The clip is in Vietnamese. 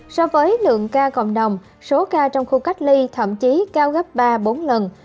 so với lượng ca cộng đồng số ca trong khu cách ly thậm chí cao gấp ba bốn lần